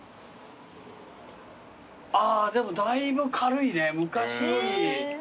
あでもだいぶ軽いね昔より。